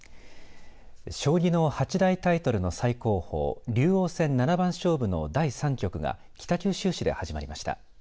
将棋の八大タイトルの最高峰竜王戦七番勝負の第３局が北九州市で始まりました。